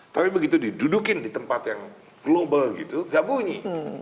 tapi begitu didudukin di tempat yang global nggak bunyi